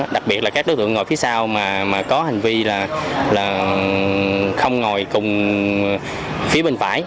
đặc biệt là các đối tượng ngồi phía sau mà có hành vi là không ngồi cùng phía bên phải